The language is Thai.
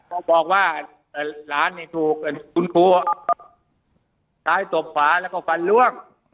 ก็บอกว่าหลานเนี่ยถูกคุ้นครัวท้ายตบขวาแล้วก็ฟันล่วง